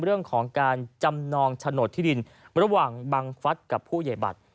เรื่องของการจำนองโฉนดที่ดินระหว่างบังฟัฐกับผู้ใหญ่บัตร